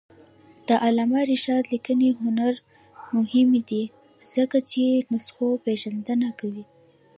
د علامه رشاد لیکنی هنر مهم دی ځکه چې نسخوپېژندنه کوي.